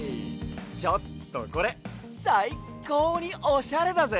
ちょっとこれさいこうにおしゃれだぜ！